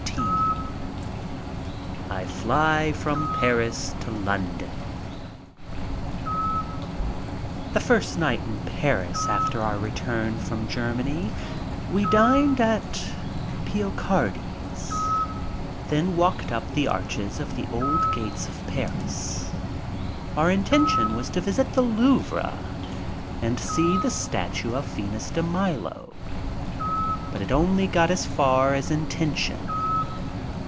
XIII I FLY FROM PARIS TO LONDON THE first night in Paris after our return from Germany we dined at Pioccardi's, then walked up to the arches of the old gates of Paris. Our intention was to visit the Louvre and see the statue of Venus de Milo, but it only got as far as intention.